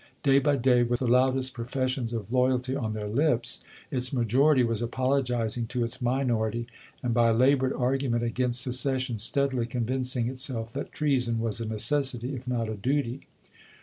Day by day, with the loudest professions of loyalty on their lips, its majority was apologizing to its minority, and by labored argument against seces sion steadily convincing itself that treason was a necessity if not a duty.